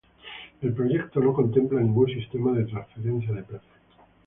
El proyecto no contempla ningún sistema de transferencia de peces.